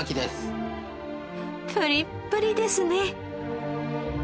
プリップリですね。